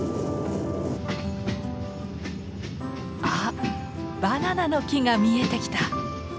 あバナナの木が見えてきた。